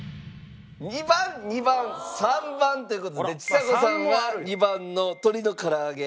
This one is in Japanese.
２番２番３番という事でちさ子さんは２番の鶏の唐揚げ。